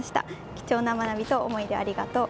貴重な学びと思い出をありがとう。